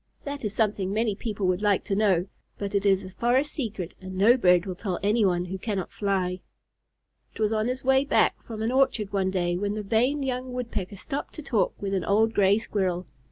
That is something many people would like to know, but it is a forest secret, and no bird will tell anyone who cannot fly. It was on his way back from an orchard one day, that the vain young Woodpecker stopped to talk with an old Gray Squirrel.